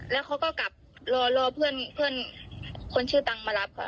แล้วเขาก็กลับรอเพื่อนคนชื่อตังค์มารับค่ะ